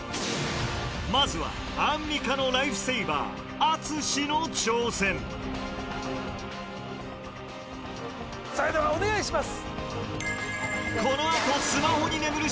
まずはアンミカのライフセイバーそれではお願いします。